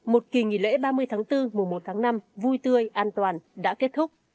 một kỳ nghỉ lễ ba mươi tháng bốn mùa một tháng năm vui tươi an toàn đã kết thúc